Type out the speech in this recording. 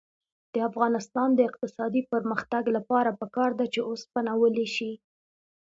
د افغانستان د اقتصادي پرمختګ لپاره پکار ده چې اوسپنه ویلې شي.